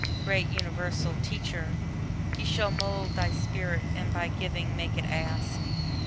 Great universal Teacher! he shall mould Thy spirit, and by giving make it ask.